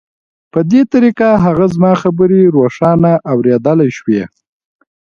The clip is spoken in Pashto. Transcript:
په دې طریقه هغه زما خبرې روښانه اورېدلای شوې